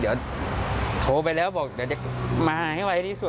เมียเค้าโทรไปแล้วบอกว่าเด็กก็มาให้ไวที่สุดอ่ะ